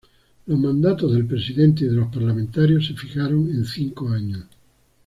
Los mandatos del presidente y de los parlamentarios se fijaron en cinco años.